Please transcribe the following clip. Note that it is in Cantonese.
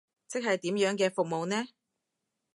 即係點樣嘅服務呢？